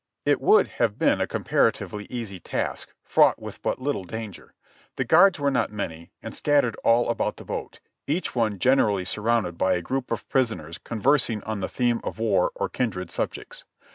It would have been a comparati\'ely easy task, fraught with but little danger. The guards were not many, and scattered all about the boat, each one generally surrounded by a group of prisoners conversing on the theme of war or kindred subjects.